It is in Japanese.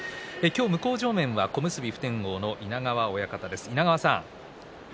向正面は小結普天王の稲川親方です。